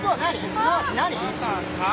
すなわち何？